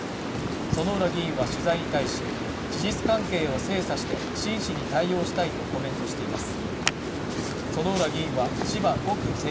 薗浦議員は取材に対し事実関係を精査して真摯に対応したいとコメントしています